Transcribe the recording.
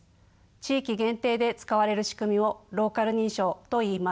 地域限定で使われる仕組みをローカル認証といいます。